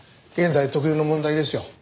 現代特有の問題ですよ。